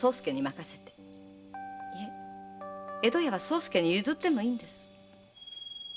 江戸屋は宗助に譲ってもいいんです。